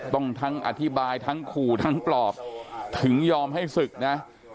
ทั้งอธิบายทั้งขู่ทั้งปลอบถึงยอมให้ศึกนะ